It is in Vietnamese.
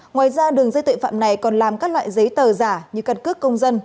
ngoài ra đường dây tội phạm này còn làm các loại giấy tờ giả như căn cước công dân